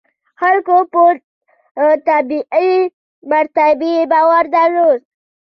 خلکو په طبیعي مراتبو باور درلود.